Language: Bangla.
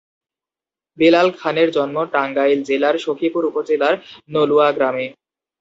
বেলাল খানের জন্ম টাঙ্গাইল জেলার সখিপুর উপজেলার নলুয়া গ্রামে।